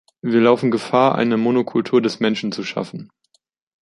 Wir laufen Gefahr, eine "Monokultur des Menschen" zu schaffen.